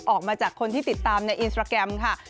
ออกมาจากคนที่ติดตามในอินสตราแกรมค่ะ